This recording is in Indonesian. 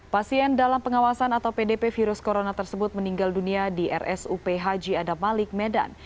pasien dalam pengawasan atau pdp virus corona tersebut meninggal dunia di rsup haji adam malik medan